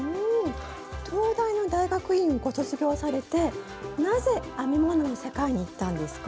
東大の大学院をご卒業されてなぜ編み物の世界にいったんですか？